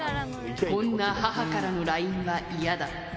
こんな母からのＬＩＮＥはイヤだ。